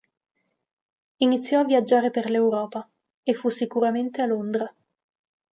Iniziò a viaggiare per l'Europa e fu sicuramente a Londra.